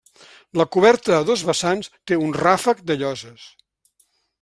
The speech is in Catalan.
La coberta a dos vessants té un ràfec de lloses.